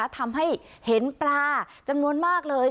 ทำให้เห็นปลาจำนวนมากเลย